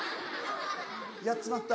やっちまった。